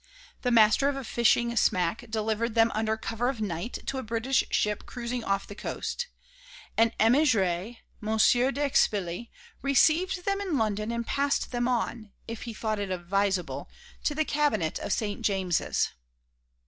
The master of a fishing smack delivered them under cover of night to a British ship cruising off the coast; an émigré, Monsieur d'Expilly, received them in London and passed them on, if he thought it advisable, to the Cabinet of Saint James's.